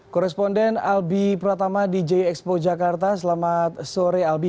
koresponden albi pratama di jxpo jakarta selamat sore albi